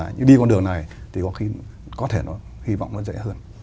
như đi con đường này thì có khi có thể nó hi vọng nó dễ hơn